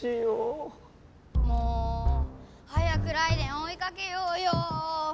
早くライデェンおいかけようよ。